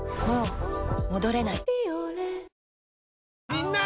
みんな！